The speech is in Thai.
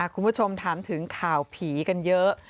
คุณผู้ชมถามถึงข่าวผีกันเยอะ